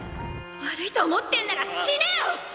悪いと思ってんなら死ねよ！！